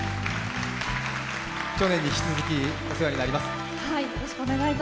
去年に引き続きお世話になります。